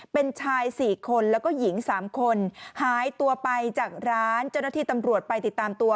เป็นชาย๔คนแล้วก็หญิง๓คนหายตัวไปจากร้านเจ้าหน้าที่ตำรวจไปติดตามตัว